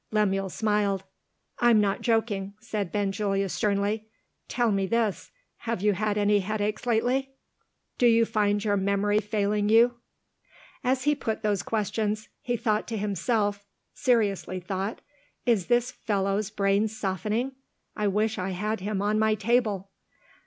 Lemuel smiled. "I'm not joking," said Benjulia sternly. "Tell me this. Have you had headaches lately? Do you find your memory failing you?" As he put those questions, he thought to himself seriously thought "Is this fellow's brain softening? I wish I had him on my table!"